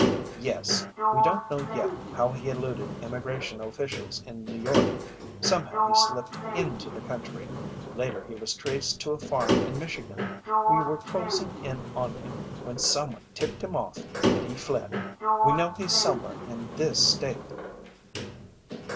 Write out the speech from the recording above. "Yes, we don't know yet how he eluded Immigration officials in New York. Somehow he slipped into the country. Later he was traced to a farm in Michigan. We were closing in on him, when someone tipped him off and he fled. We know he's somewhere in this state."